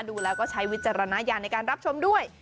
ดูแล้วก็ใช้วิจารณญาณในการรับชมด้วย